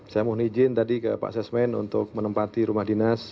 saya mohon izin tadi ke pak sesmen untuk menempati rumah dinas